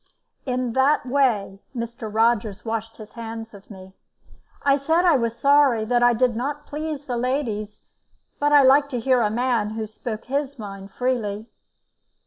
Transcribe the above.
In that way Mr. Rogers washed his hands of me. I said I was sorry I did not please the ladies, but I liked to hear a man who spoke his mind freely.